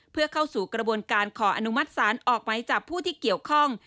เพื่อเข้าสู่กระบวนการขออนุมัติศาลออกไหมจับผู้ที่เกี่ยวข้อง